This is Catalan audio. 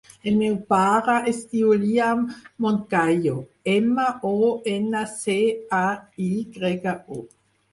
El meu pare es diu Liam Moncayo: ema, o, ena, ce, a, i grega, o.